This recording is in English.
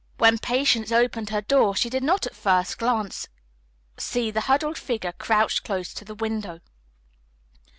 When Patience opened her door she did not at first glance see the huddled figure crouched close to the window.